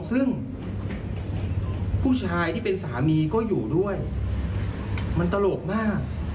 ซึ่งผู้ชายที่เป็นสามีก็อยู่ด้วยมันตลกมาก